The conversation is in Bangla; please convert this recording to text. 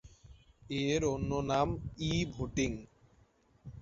এর অন্য নাম ই-ভোটিং।